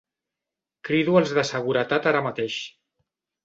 Crido els de seguretat ara mateix.